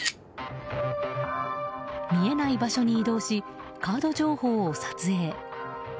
見えない場所に移動しカード情報を撮影。